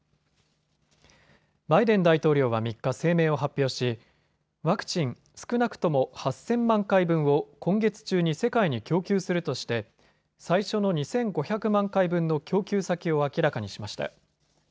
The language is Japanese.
バイデン大統領は３日、声明を発表しワクチン少なくとも８０００万回分を今月中に世界に供給するとして最初の２５００万回分の供給先を明らかにしました。